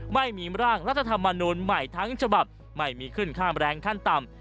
ไม่มีร่างรัฐธรรมนูลใหม่ทั้งฉบับไม่มีขึ้นค่าแรงขั้นต่ำ